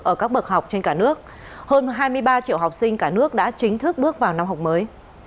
ở các bậc học trên cả nước hơn hai mươi ba triệu học sinh cả nước đã chính thức bước vào năm học mới